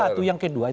bukan satu yang kedua